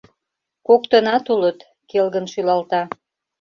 Коктынак улыт, — келгын шӱлалта.